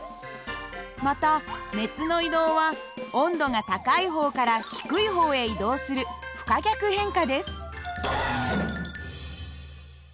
また熱の移動は温度が高い方から低い方へ移動する不可逆変化です。